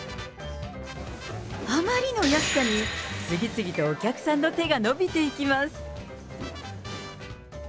あまりの安さに、次々とお客さんの手が伸びていきます。